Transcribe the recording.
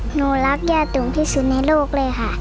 หนูรักย่าตุ๋มที่สุดในโลกเลยค่ะ